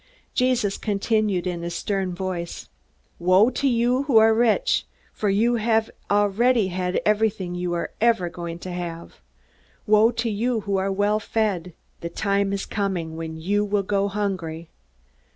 Jesus continued, in a stern voice: "Woe to you who are rich! For you have already had everything you are ever going to have! Woe to you who are well fed! The time is coming when you will go hungry.